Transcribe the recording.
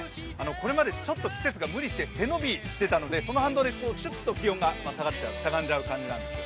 これまでちょっと季節が無理して、背伸びしていたので、その反動でシュッと気温が下がっちゃう、しゃがんじゃう感じなんです。